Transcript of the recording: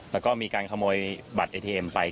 และก็มีการขโมยบัตรไปกดเงินนะครับ